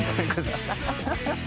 ハハハハ！